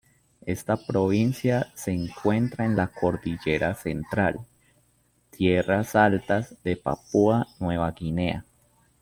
Esta provincia se encuentra en la Cordillera Central tierras altas de Papúa Nueva Guinea.